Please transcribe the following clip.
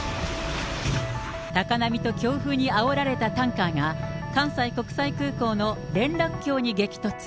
高波と強風にあおられたタンカーが、関西国際空港の連絡橋に激突。